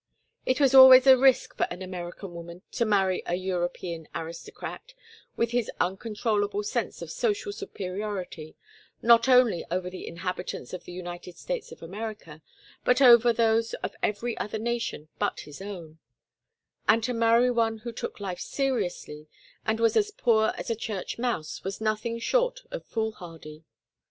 It was always a risk for an American woman to marry a European aristocrat with his uncontrollable sense of social superiority not only over the inhabitants of the United States of America, but over those of every other nation but his own; and to marry one who took life seriously and was as poor as a church mouse was nothing short of foolhardy.